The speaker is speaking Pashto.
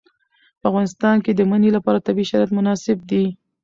په افغانستان کې د منی لپاره طبیعي شرایط مناسب دي.